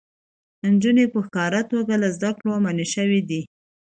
نجونې په ښکاره توګه له زده کړو منع شوې دي.